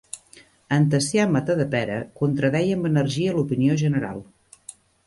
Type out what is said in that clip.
En Tacià Matadepera contradeia amb energia l'opinió general.